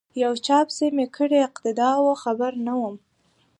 یو چا پسې می کړې اقتدا وه خبر نه وم